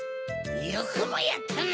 よくもやったな！